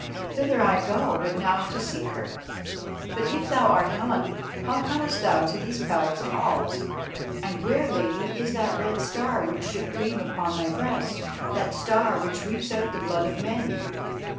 Thither I go but now to seek her. But if thou art Helen, how comest thou to these Palace halls? And where, Lady, is that Red Star which should gleam upon thy breast, that Star which weeps out the blood of men?"